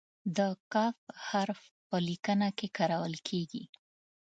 د "ک" حرف په لیکنه کې کارول کیږي.